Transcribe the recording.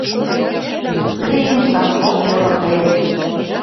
— Тыйы-ым, Санков, йӧратем.